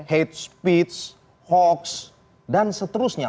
hate speech hoax dan seterusnya